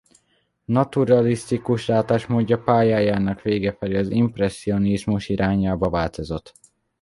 Naturalisztikus látásmódja pályájának vége felé az impresszionizmus irányába változott.